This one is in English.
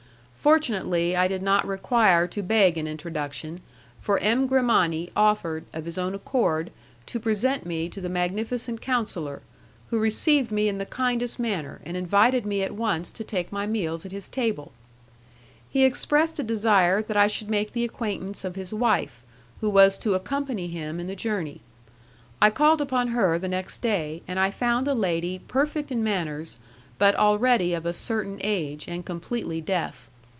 Fortunately I did not require to beg an introduction, for M. Grimani offered, of his own accord, to present me to the magnificent councillor, who received me in the kindest manner, and invited me at once to take my meals at his table. He expressed a desire that I should make the acquaintance of his wife, who was to accompany him in the journey. I called upon her the next day, and I found a lady perfect in manners, but already of a certain age and completely deaf.